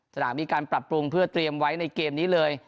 สนามมีการปรับปรุงเพื่อเตรียมไว้ในเกมนี้เลย